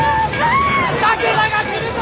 武田が来るぞ！